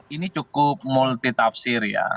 ini cukup multi tafsir ya